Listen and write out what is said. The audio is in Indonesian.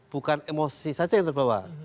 bukan emosi saja yang terbawa